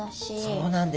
そうなんです。